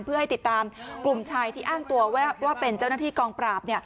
เพื่อให้ติดตามกลุ่มชายที่อ้างตัวว่าเป็นเจ้าหน้าที่กองปราบ